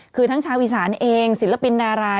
คือทั้งชาวอีสานเองศิลปินดารา